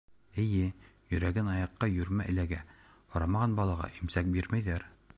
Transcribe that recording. Эйе, йөрөгән аяҡҡа йүрмә эләгә, һорамаған балаға имсәк бирмәйҙәр.